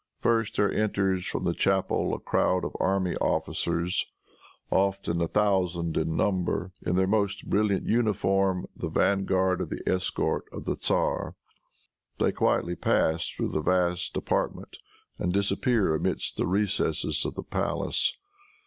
First, there enters from the chapel a crowd of army officers, often a thousand in number, in their most brilliant uniform, the vanguard of the escort of the tzar. They quietly pass through the vast apartment and disappear amidst the recesses of the palace.